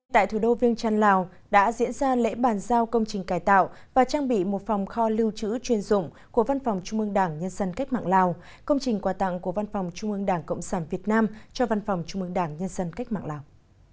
tại thủ đô viêng trăn lào đã diễn ra lễ bàn giao công trình cải tạo và trang bị một phòng kho lưu trữ chuyên dụng của văn phòng trung mương đảng nhân dân cách mạng lào công trình quà tặng của văn phòng trung ương đảng cộng sản việt nam cho văn phòng trung mương đảng nhân dân cách mạng lào